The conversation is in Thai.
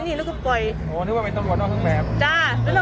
งูมีเท้าหน้าไม่ได้